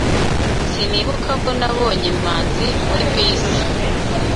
Sinibuka ko nabonye manzi muri bisi.